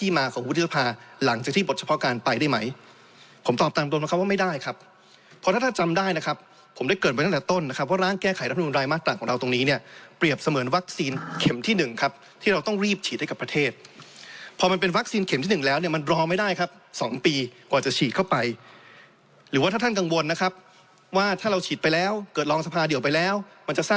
ที่เกิดไปตั้งแต่ต้นนะครับว่าร้างแก้ไขรัฐพรรณบุญรายมาตรกของเราตรงนี้เนี่ยเปรียบเสมือนวัคซีนเข็มที่๑ครับที่เราต้องรีบฉีดให้กับประเทศพอมันเป็นวัคซีนเข็มที่๑แล้วเนี่ยมันรอไม่ได้ครับ๒ปีกว่าจะฉีดเข้าไปหรือว่าถ้าท่านกังวลนะครับว่าถ้าเราฉีดไปแล้วเกิดรองสภาเดียวไปแล้วมันจะส